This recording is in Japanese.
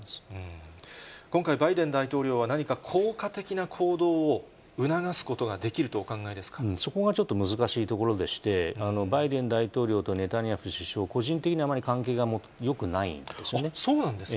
今回、バイデン大統領は何か効果的な行動を促すことができるとお考えでそこがちょっと難しいところでして、バイデン大統領とネタニヤフ首相、個人的にあまり関係がよくないんそうなんですか。